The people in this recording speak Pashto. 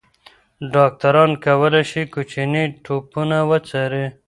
ډاکټران کولی شي کوچني ټپونه وڅاري.